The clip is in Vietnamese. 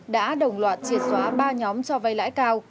đã đồng loạt triệt xóa ba nhóm cho vay lãi cao